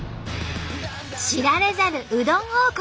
知られざるうどん王国